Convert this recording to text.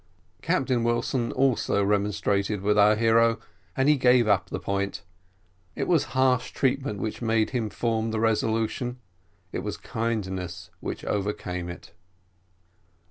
Captain Wilson also remonstrated with our hero, and he gave up the point. It was harsh treatment which made him form the resolution, it was kindness which overcame it.